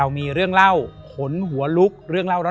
และยินดีต้อนรับทุกท่านเข้าสู่เดือนพฤษภาคมครับ